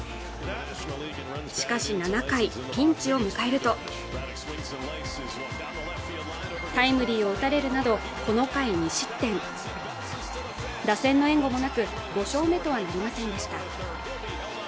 しかし７回ピンチを迎えるとタイムリーを打たれるなどこの回２失点打線の援護もなく５勝目とはなりませんでした